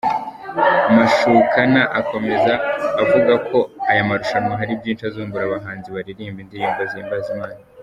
Mashukano akomeza avuga ko aya marushanwa hari byinshi azungura abahanzi baririmba indirimbo zihimbaza Imana.